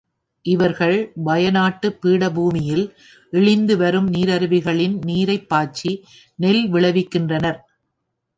இவர்கள் வய நாட்டுப் பீடபூமியில், இழிந்துவரும் நீரருவிகளின் நீரைப்பாய்ச்சி நெல் விளைவிக்கின்றனர்.